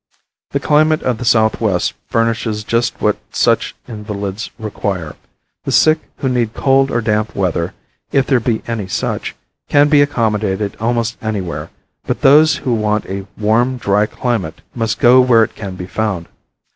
The climate of the southwest furnishes just what such invalids require. The sick who need cold or damp weather, if there be any such, can be accommodated almost anywhere, but those who want a warm, dry climate must go where it can be found.